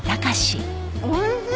おいしい！